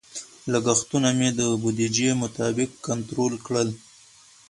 لګښتونه مې د بودیجې مطابق کنټرول کړل.